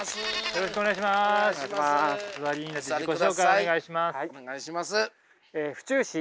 よろしくお願いします。